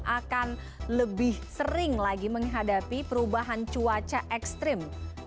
akan lebih sering lagi menghadapi perubahan cuaca ekstrim